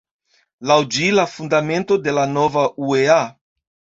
Laŭ ĝi, la fundamento de la nova uea.